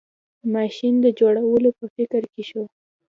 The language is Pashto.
ماشین د جوړولو په فکر کې شو.